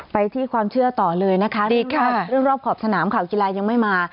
ไปที่ความเชื่อต่อเลยนะคะเรื่องรอบขอบสนามข่าวกีฬายังไม่มา